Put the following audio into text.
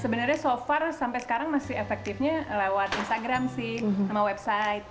sebenarnya so far sampai sekarang masih efektifnya lewat instagram sih sama website